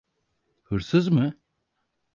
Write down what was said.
Hırsız mı?